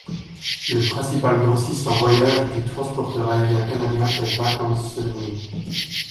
Le principal grossiste en voyages du transporteur aérien canadien est Vacances Sunwing.